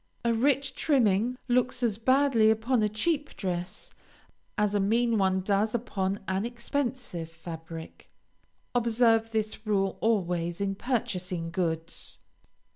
A rich trimming looks as badly upon a cheap dress, as a mean one does upon an expensive fabric. Observe this rule always in purchasing goods.